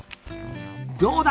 どうだ？